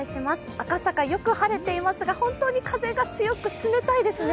赤坂、よく晴れていますが本当に風が強く、冷たいですね。